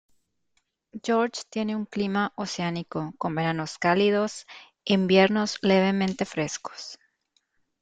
George tiene un clima oceánico, con veranos cálidos, e inviernos levemente frescos.